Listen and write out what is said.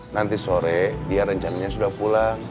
nanti sore dia rencananya sudah pulang